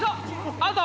アウト！